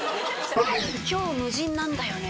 「今日ムジンなんだよね」。